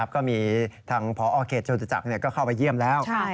ก็มีทางพอเขตโจตุจักรก็เข้าไปเยี่ยมแล้ว